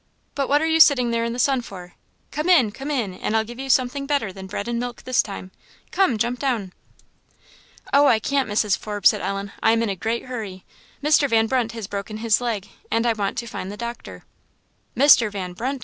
But what are you sitting there in the sun for? Come in come in and I'll give you something better than bread and milk this time. Come! jump down." "Oh, I can't, Mrs. Forbes," said Ellen, "I am in a great hurry; Mr. Van Brunt has broken his leg, and I want to find the doctor." "Mr. Van Brunt!"